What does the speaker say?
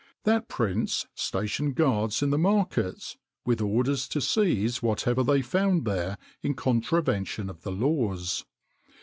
That prince stationed guards in the markets, with orders to seize whatever they found there in contravention of the laws.